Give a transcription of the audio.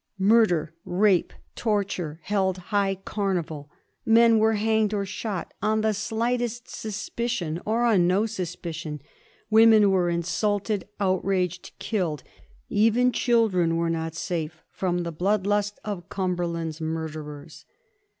Murder, rape, torture, held high carnival ; men were hanged or shot on the slightest suspicion or on no suspicion; women were insulted, outraged, killed; even children were not safe from the blood lust of Cumber land's murderers.